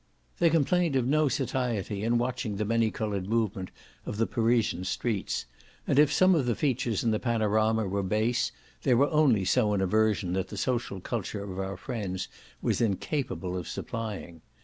They complained of no satiety in watching the many coloured movement of the Parisian streets; and if some of the features in the panorama were base they were only so in a version that the social culture of our friends was incapable of supplying.